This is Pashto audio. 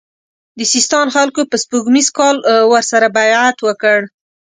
د سیستان خلکو په سپوږمیز کال ورسره بیعت وکړ.